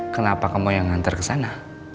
kenapa kamu yang nganter kesana